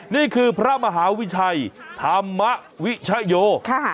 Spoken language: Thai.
นี่คือพระมหาวิชัยธรรมวิชโย